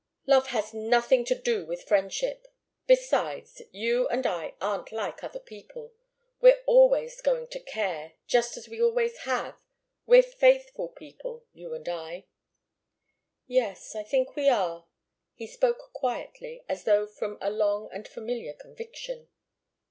"Love has nothing to do with friendship. Besides, you and I aren't like other people. We're always going to care just as we always have. We're faithful people, you and I." "Yes. I think we are." He spoke quietly, as though from a long and familiar conviction.